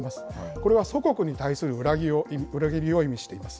これは祖国に対する裏切りを意味しています。